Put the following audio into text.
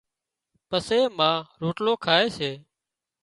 پسي ما روٽلو کائي سي